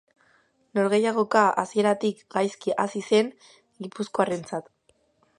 Norgehiagoka hasieratik gaizki hasi zen gipuzkoarrentzat.